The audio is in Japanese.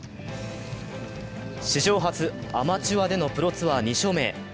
史上初、アマチュアでのプロツアー２勝目へ。